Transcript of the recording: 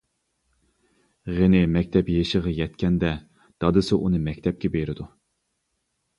غېنى مەكتەپ يېشىغا يەتكەندە دادىسى ئۇنى مەكتەپكە بېرىدۇ.